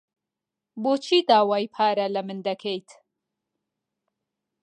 بۆچی داوای پارە لە من دەکەیت؟